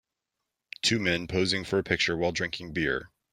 Two men posing for a picture while drinking beer.